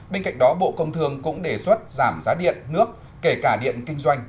bên cạnh đó bộ công thương cũng đề xuất giảm giá điện nước kể cả điện kinh doanh